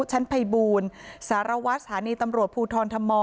ชั้นภัยบูลสารวัตรสถานีตำรวจภูทรธม